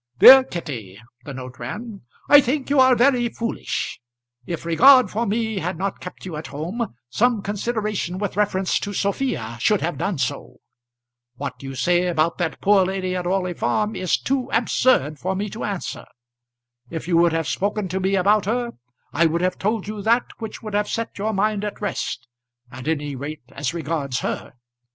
"DEAR KITTY," the note ran. I think you are very foolish. If regard for me had not kept you at home, some consideration with reference to Sophia should have done so. What you say about that poor lady at Orley Farm is too absurd for me to answer. If you would have spoken to me about her, I would have told you that which would have set your mind at rest, at any rate as regards her.